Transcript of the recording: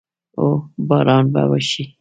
هو، باران به وشي